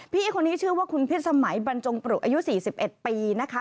พี่คนนี้ชื่อว่าคุณพิษสมัยบรรจงปรุอายุ๔๑ปีนะคะ